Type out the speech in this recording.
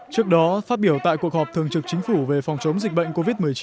trước đó phát biểu tại cuộc họp thường trực chính phủ về phòng chống dịch bệnh covid một mươi chín